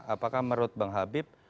apakah menurut bang habib